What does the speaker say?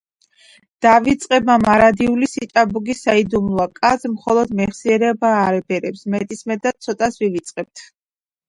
“დავიწყება მარადიული სიჭაბუკის საიდუმლოა. კაცს მხოლოდ მეხსიერება აბერებს. მეტისმეტად ცოტას ვივიწყებთ.”